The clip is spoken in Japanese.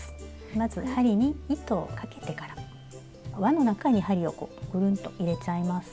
まず針に糸をかけてからわの中に針をくるんと入れちゃいます。